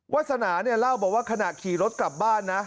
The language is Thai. วาสนาเนี่ยเล่าบอกว่าขณะขี่รถกลับบ้านนะ